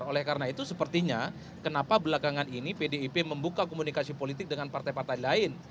oleh karena itu sepertinya kenapa belakangan ini pdip membuka komunikasi politik dengan partai partai lain